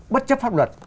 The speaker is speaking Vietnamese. bất chấp pháp luật